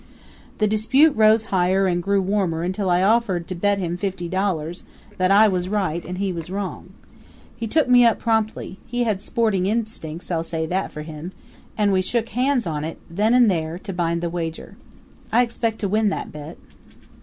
The dispute rose higher and grew warmer until I offered to bet him fifty dollars that I was right and he was wrong. He took me up promptly he had sporting instincts; I'll say that for him and we shook hands on it then and there to bind the wager. I expect to win that bet.